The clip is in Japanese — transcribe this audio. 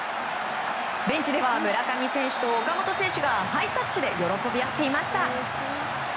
ベンチでは村上選手と岡本選手がハイタッチで喜び合っていました。